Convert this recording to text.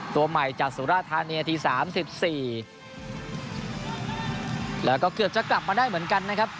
ตัวใหม่จากสุราธานีนาทีสามสิบสี่แล้วก็เกือบจะกลับมาได้เหมือนกันนะครับ